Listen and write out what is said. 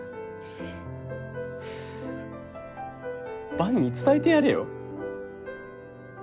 伴に伝えてやれよ。